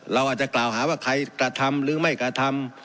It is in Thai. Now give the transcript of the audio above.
เราอาจจะกล่าวหาว่าใครกระทำหรือไม่กระทำ